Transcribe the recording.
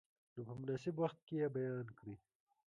نو په مناسب وخت کې یې بیان کړئ.